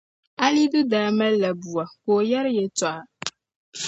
Alidu daa malila bua ka o yɛri yɛltɔɣa